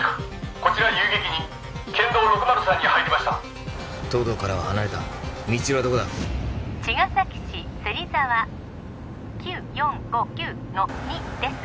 こちらユウゲキ２県道６０３に入りました東堂からは離れた未知留はどこだ茅ヶ崎市芹沢９４５９の２です